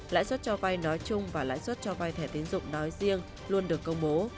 lãi suất cho vai nói chung và lãi suất cho vai thẻ tiến dụng nói riêng luôn được công bố